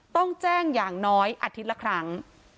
ต้องแจ้งอย่างน้อยอาทิตย์ละครั้ง